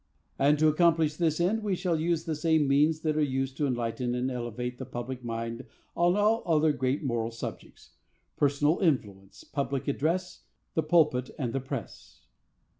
And, to accomplish this end, we shall use the same means that are used to enlighten and elevate the public mind on all other great moral subjects,—personal influence, public address, the pulpit and the press.